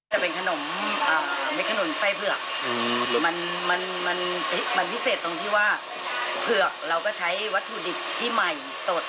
แต่เป็นขนมเม็ดขนุนไส้เผือกมันพิเศษตรงที่ว่าเผือกเราก็ใช้วัตถุดิบที่ใหม่สด